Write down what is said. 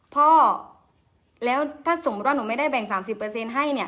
พ่อแล้วถ้าสมมติว่าหนูไม่ได้แบ่งสามสิบเปอร์เซ็นต์ให้เนี้ย